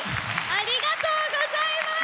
ありがとうございます！